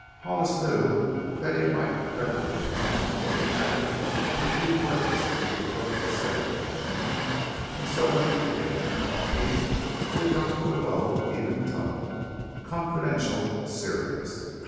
Hollis knew that he might readily become melodramatic in the few words that he purposed to say to the men, and so when he began talking he adopted a low, even tone, confidential, serious.